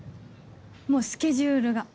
もうスケジュールが。